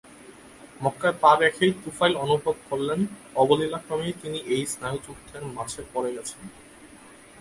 মক্কায় পা রেখেই তুফাইল অনুভব করলেন, অবলীলাক্রমেই তিনি এই স্নায়ুযুদ্ধের মাঝে পড়ে গেছেন।